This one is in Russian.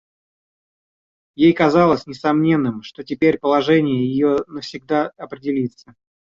Ей казалось несомненным, что теперь положение ее навсегда определится.